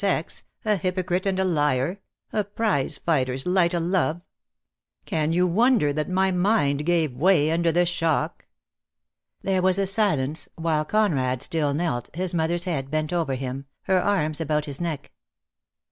sex — a hypocrite and a liar — a prize fighter's light I bo DEAD LOVE HAS CHAINS. o' love! Can you wonder that my mind gave way under the shock?" There was a silence, while Conrad still knelt, his mother's head bent over him, her arms about his neck.